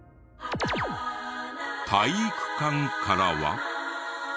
体育館からは。